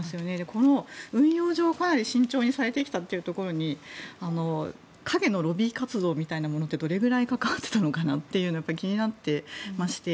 この運用上かなり慎重にされてきたというところに陰のロビー活動みたいなものってどのくらい関わっていたのかなと気になってまして。